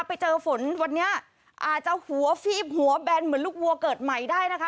ไปเจอฝนวันนี้อาจจะหัวฟีบหัวแบนเหมือนลูกวัวเกิดใหม่ได้นะคะ